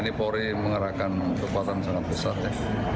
ini polri mengerahkan kekuatan sangat besar ya